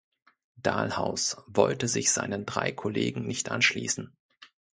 Dahlhaus wollte sich seinen drei Kollegen nicht anschließen.